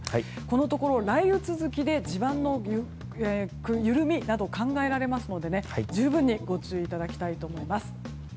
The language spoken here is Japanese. このところ雷雨続きで地盤の緩みなどが考えられますので十分にご注意いただきたいと思います。